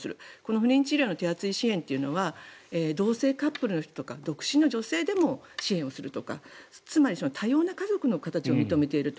不妊治療の手厚い支援というのは同性カップルの人とか独身の女性でも支援するとかつまり多様な家族の形を認めていると。